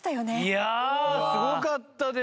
いやあすごかったですよ。